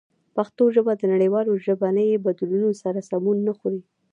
پښتو ژبه د نړیوالو ژبني بدلونونو سره سمون نه خوري.